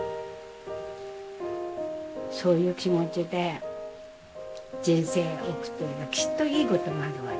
そういう気持ちで人生送っていればきっといいことがあるわよ。